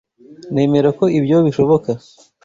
Nemera ko ibyo bishoboka.